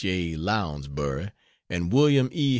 A. Lounsbury and William E.